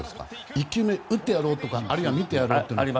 １球目、打ってやろうとかあるいは見てやろうと。